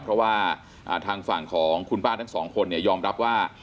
เพราะว่าทางฝั่งของคุณป้าทั้งสองคนเนี่ยยอมรับว่า